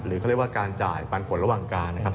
เขาเรียกว่าการจ่ายปันผลระหว่างการนะครับ